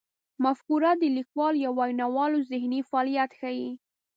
مفکوره د لیکوال یا ویناوال ذهني فعالیت ښيي.